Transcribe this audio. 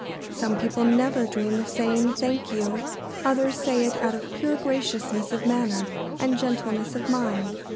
Some people never dream of saying "Thank you." Others say it out of pure graciousness of manner and gentleness of mind.